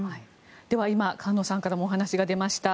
では、今菅野さんからもお話が出ました